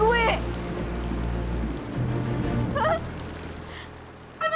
lo kenapa ngerasain itu dari gue